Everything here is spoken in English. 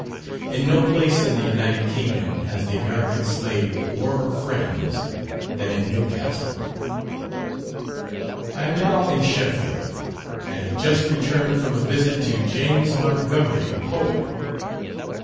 In no place in the United Kingdom has the American Slave warmer friends than in Newcastle. I am now in Sheffield, and have just returned from a visit to James Montgomery, the poet.